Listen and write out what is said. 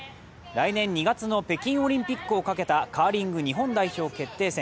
来年２月の北京オリンピックをかけたカーリング日本代表決定戦。